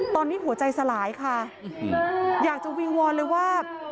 ตอนนี้หัวใจสลายค่ะอยากจะวิงวอนเลยว่า